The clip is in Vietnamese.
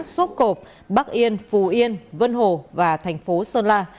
sốp cộp bắc yên phù yên vân hồ và thành phố sơn la